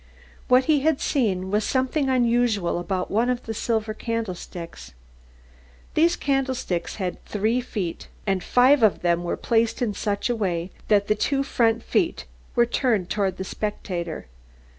What he had seen was something unusual about one of the silver candlesticks. These candlesticks had three feet, and five of them were placed in such a way that the two front feet were turned toward the spectator.